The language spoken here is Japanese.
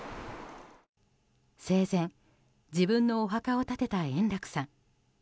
生前、自分のお墓を建てた円楽さん。